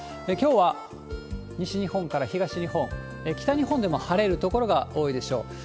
きょうは西日本から東日本、北日本でも晴れる所が多いでしょう。